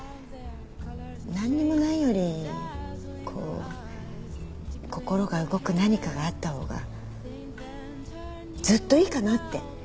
何にもないよりこう心が動く何かがあった方がずっといいかなって。